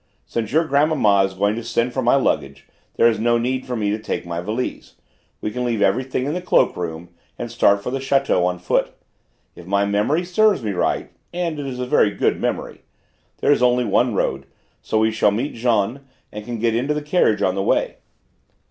Since your grandmamma is going to send for my luggage there is no need for me to take my valise; we can leave everything in the cloak room and start for the château on foot; if my memory serves me right and it is a very good memory there is only one road, so we shall meet Jean and can get into the carriage on the way."